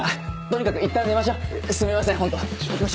とにかくいったん出ましょうすみませんホント。